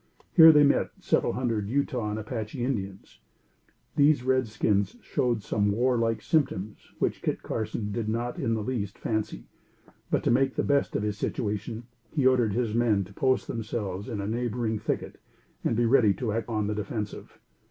Here they met several hundred Utah and Apache Indians. These red skins showed some warlike symptoms which Kit Carson did not in the least fancy; but, to make the best of his situation, he ordered his men to post themselves in a neighboring thicket and be ready to act on the defensive.